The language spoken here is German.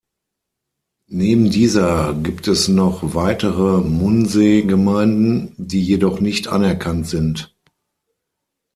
Neben dieser gibt es noch weitere Munsee-Gemeinden, die jedoch nicht anerkannt sind.